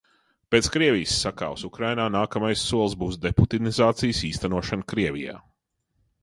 Pēc Krievijas sakāves Ukrainā, nākamais solis būs deputinizācijas īstenošana Krievijā.